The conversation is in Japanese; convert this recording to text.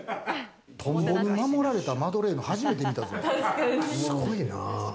トンボに守られたマドレーヌ、初めて見たぞ。